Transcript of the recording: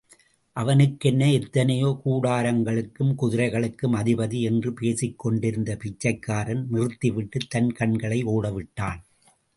அவனுக்கென்ன, எத்தனையோ கூடாரங்களுக்கும், குதிரைகளுக்கும் அதிபதி! என்று பேசிக் கொண்டிருந்த பிச்சைக்காரன் நிறுத்திவிட்டுத் தன் கண்களை ஓடவிட்டான்.